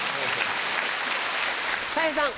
たい平さん。